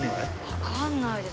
わかんないです。